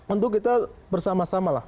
untuk kita bersama sama